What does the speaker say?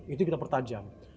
itu kita pertanjam